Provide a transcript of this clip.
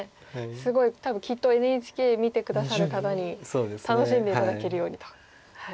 すごい多分きっとＮＨＫ見て下さる方に楽しんで頂けるようにと。